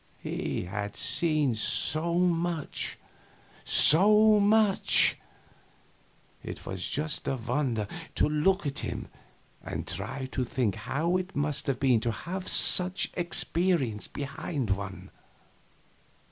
He had seen so much, so much! It was just a wonder to look at him and try to think how it must seem to have such experience behind one.